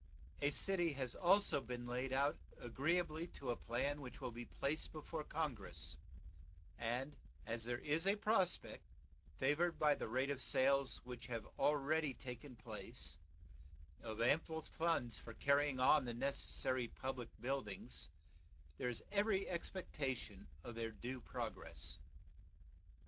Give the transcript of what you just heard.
A city has also been laid out agreeably to a plan which will be placed before Congress, and as there is a prospect, favored by the rate of sales which have already taken place, of ample funds for carrying on the necessary public buildings, there is every expectation of their due progress.